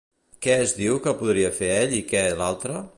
Què es diu que podria fer ell i què l'altra?